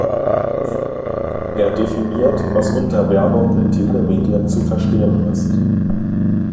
Er definiert, was unter Werbung in Telemedien zu verstehen ist.